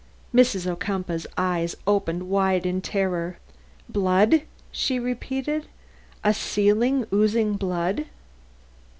'"_ Mrs. Ocumpaugh's eyes opened wide in horror. "Blood!" she repeated. "A ceiling oozing blood!"